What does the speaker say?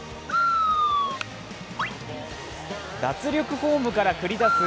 脱力フォームから繰り出す